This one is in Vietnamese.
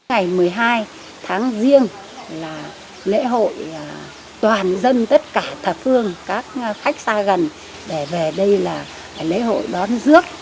ngày một mươi hai tháng riêng là lễ hội toàn dân tất cả thập phương các khách xa gần để về đây là lễ hội đón dước